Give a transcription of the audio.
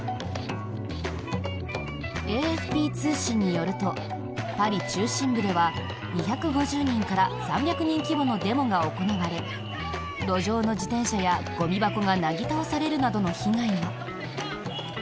ＡＦＰ通信によるとパリ中心部では２５０人から３００人規模のデモが行われ路上の自転車やゴミ箱がなぎ倒されるなどの被害が。